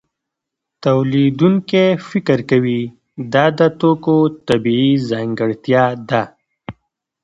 تولیدونکی فکر کوي دا د توکو طبیعي ځانګړتیا ده